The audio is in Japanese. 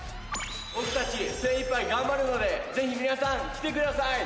僕たち精いっぱい頑張るのでぜひ皆さん来てください！